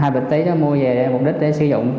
hai bịch ma túy đó mua về mục đích để sử dụng